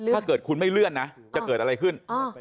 ถ้าเกิดคุณไม่เลื่อนนะจะเกิดอะไรขึ้น